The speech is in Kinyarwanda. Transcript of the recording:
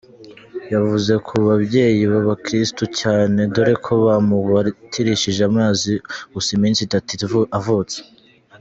Yavutse ku babyeyi b’abakristu cyane dore ko bamubatirishije amaze gusa iminsi itatu avutse.